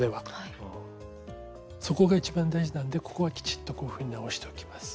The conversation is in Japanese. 底が一番大事なんでここはきちっとこういうふうに直しておきます。